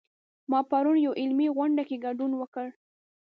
ما پرون یوه علمي غونډه کې ګډون وکړ